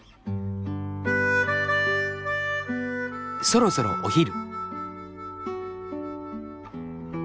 そろそろお昼。